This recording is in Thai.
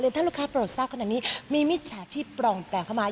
เรียนทัศน์ลูกค้าประโยชน์ขนาดนี้มีมิจฉาชีพปลองแปลงเข้ามา